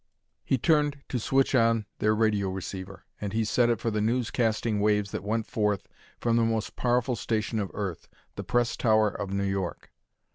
He turned to switch on their radio receiver, and he set it for the newscasting waves that went forth from the most powerful station of Earth, the Press Tower of New York.